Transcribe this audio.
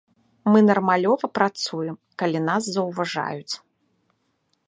Мы нармалёва працуем, калі нас заўважаюць.